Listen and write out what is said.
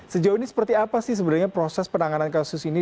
sejauh ini seperti apa sih sebenarnya proses penanganan kasus ini